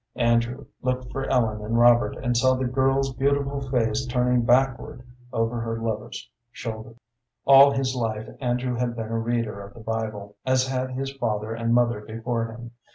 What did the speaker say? Andrew looked for Ellen and Robert, and saw the girl's beautiful face turning backward over her lover's shoulder. All his life Andrew had been a reader of the Bible, as had his father and mother before him.